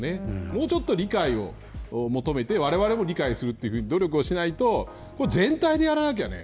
もうちょっと理解を求めてわれわれも理解する努力をしないと全体でやらなきゃね